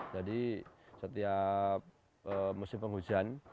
jadi setiap musim penghujan